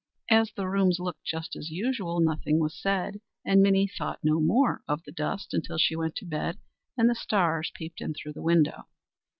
As the rooms looked just as usual, nothing was said; and Minnie thought no more of the dust until she went to bed and the stars peeped through the window.